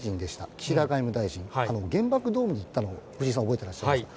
岸田外務大臣、原爆ドームに行ったの、藤井さん、覚えてらっしゃいますか。